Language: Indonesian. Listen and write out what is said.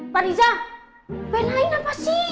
pak riza pelain apa sih